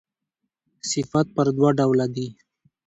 صفات پر دوه ډوله دي.